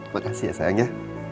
makasih ya sayang ya